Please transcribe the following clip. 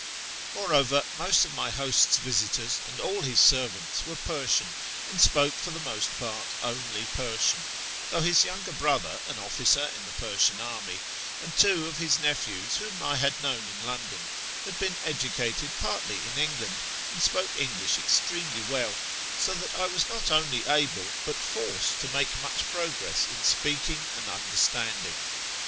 Moreover most of my host's visitors and all his servants were Persian, and spoke, for the most part, only Persian (though his younger brother, an officer in the Persian army, and two of his nephews, whom I had known in London, had been educated partly in England and spoke English extremely well), so that I was not only able but forced to make much progress in speaking and under teherAn 85 standing.